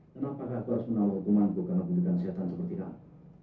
kenapa aku harus menolong hukumanku karena kumitkan siatan seperti kamu